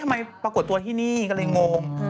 ปรากฏตัวที่นี่ก็เลยงง